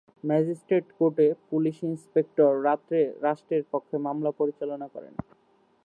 Magistrate court police inspector রাষ্ট্রের পক্ষে মামলা পরিচালনা করেন।